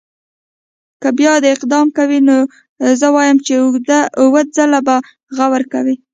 که بیا دا اقدام کوي نو زه وایم چې اووه ځله به غور کوي.